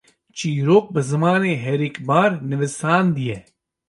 çîrok bi zimanê herikbar nivîsandiye